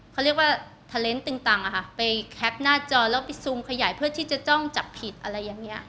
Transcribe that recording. เขาเรียกว่าทะเลนส์ตึงตังอะค่ะไปแคปหน้าจอแล้วไปซูมขยายเพื่อที่จะจ้องจับผิดอะไรอย่างนี้